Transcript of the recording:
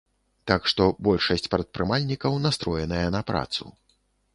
Так што большасць прадпрымальнікаў настроеная на працу.